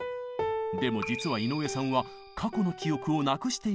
でも実は井上さんは過去の記憶をなくしているんです。